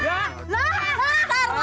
lah lah lah